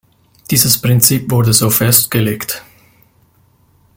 Dieses Prinzip wurde so festgelegt.